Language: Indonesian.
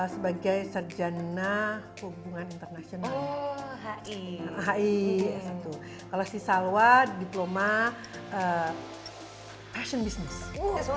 sebagai sarjana hubungan internasional hai hai kalau sisal wa diploma fashion business